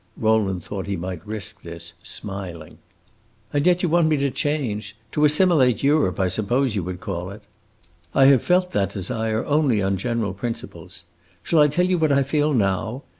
Rowland thought he might risk this, smiling. "And yet you want me to change to assimilate Europe, I suppose you would call it." "I have felt that desire only on general principles. Shall I tell you what I feel now?